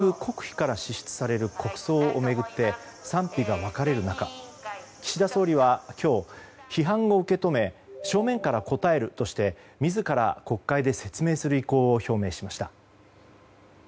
このように全額国費から支出される国葬を巡って賛否が分かれる中岸田総理は今日批判を受け止め正面から答えるとして自ら国会で説明する意向を表明しました。